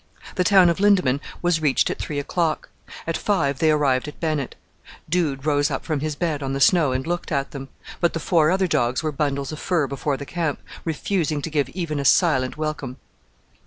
The town of Lindeman was reached at three o'clock; at five they arrived at Bennett. Dude rose up from his bed on the snow and looked at them; but the four other dogs were bundles of fur before the camp, refusing to give even a silent welcome.